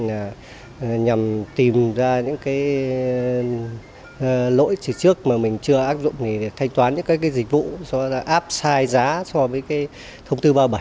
nhằm tìm ra những lỗi trực trước mà mình chưa áp dụng để thanh toán những dịch vụ áp sai giá so với thông tư ba mươi bảy